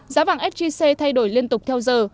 giá vàng sgc thay đổi liên tục theo giờ